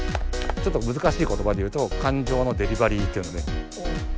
ちょっとむずかしいことばで言うと感情のデリバリーっていうのね。